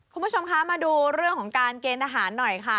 คุณผู้ชมคะมาดูเรื่องของการเกณฑ์ทหารหน่อยค่ะ